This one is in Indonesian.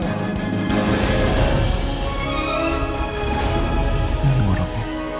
aku mau nabrak